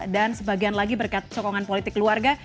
dan sebagian lagi berkat sokongan politik keluarga